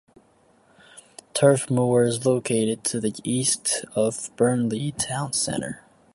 Turf Moor is located to the east of Burnley town centre.